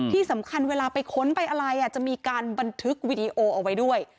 ที่สำคัญเวลาไปค้นไปอะไรจะมีการบันทึกวีดีโอเอาไว้ด้วย